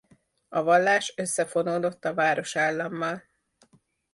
A vallás összefonódott a városállammal.